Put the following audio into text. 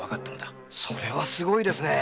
それはすごいですね。